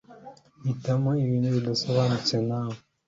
hitamo ibihe bidasobanutse nawe